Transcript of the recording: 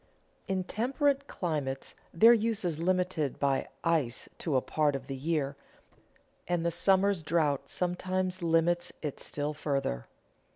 In temperate climates their use is limited by ice to a part of the year, and the summer's drought sometimes limits it still further.